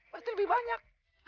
pasti lebih banyak